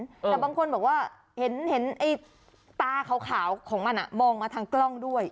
แต่บางคนบอกว่าเห็นไอ้ตาขาวของมันมองมาทางกล้องด้วย